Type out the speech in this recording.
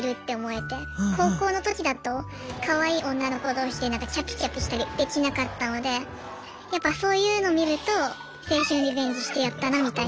高校の時だとかわいい女の子同士でキャピキャピしたりできなかったのでやっぱそういうの見ると青春リベンジしてやったなみたいな。